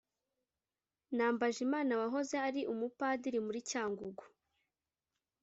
nambajimana wahoze ari umupadiri muri cyangugu